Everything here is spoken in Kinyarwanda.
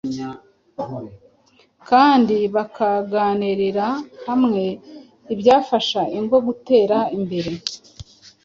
kandi bakaganirira hamwe ibyafasha ingo gutera imbere.